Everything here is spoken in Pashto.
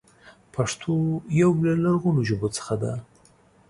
پښتو يو له لرغونو ژبو څخه ده.